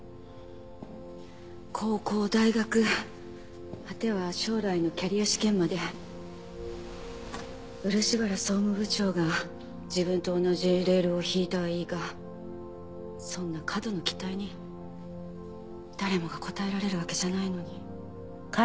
高校大学果ては将来のキャリア試験まで漆原総務部長が自分と同じレールを敷いたはいいがそんな過度な期待に誰もが応えられるわけじゃないのに。